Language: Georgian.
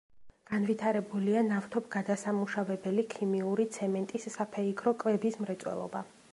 განვითარებულია ნავთობგადასამუშავებელი, ქიმიური, ცემენტის, საფეიქრო, კვების მრეწველობა.